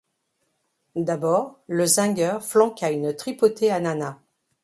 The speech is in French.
D'abord, le zingueur flanqua une tripotée à Nana.